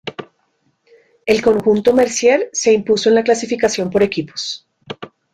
El conjunto Mercier se impuso en la clasificación por equipos.